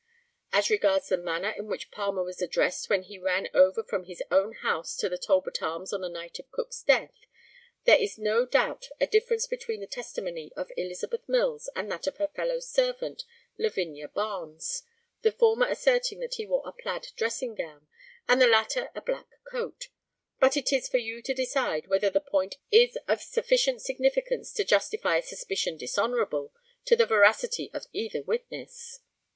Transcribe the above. As regards the manner in which Palmer was dressed when he ran over from his own house to the Talbot Arms on the night of Cook's death, there is no doubt a difference between the testimony of Elizabeth Mills and that of her fellow servant, Lavinia Barnes, the former asserting that he wore a plaid dressing gown, and the latter a black coat; but it is for you to decide whether the point is of sufficient significance to justify a suspicion dishonourable to the veracity of either witness.